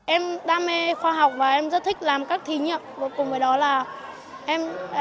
em đam mê khoa học và em rất thích làm các thí nghiệm